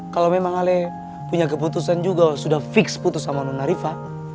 kalo memang ale punya keputusan juga sudah fix putus sama nona riva